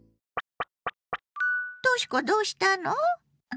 とし子どうしたの？